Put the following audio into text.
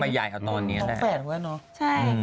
เพิ่งจะมาใหญ่เอาตอนนี้นะ